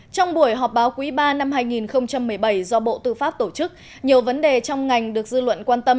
trong buổi họp báo quý ba năm hai nghìn một mươi bảy do bộ tư pháp tổ chức nhiều vấn đề trong ngành được dư luận quan tâm